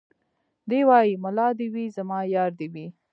دی وايي ملا دي وي زما يار دي وي